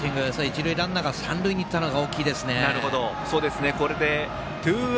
一塁ランナーが三塁に行ったのが大きいですね。